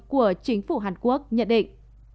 của chính phủ hàn quốc nhận định